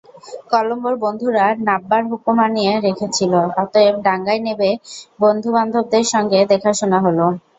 কলম্বোর বন্ধুরা নাববার হুকুম আনিয়ে রেখেছিল, অতএব ডাঙায় নেবে বন্ধু-বান্ধবদের সঙ্গে দেখাশুনা হল।